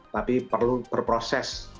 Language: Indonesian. tapi perlu berproses